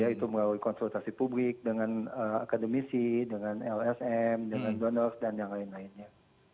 yaitu melalui konsultasi publik dengan akademisi dengan lsm dengan donov dan yang lain lainnya